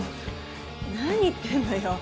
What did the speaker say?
何言ってんのよ。